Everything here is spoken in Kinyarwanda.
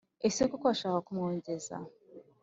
ese koko washakaga kumwongeza